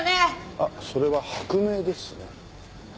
あっそれは「薄命」ですね。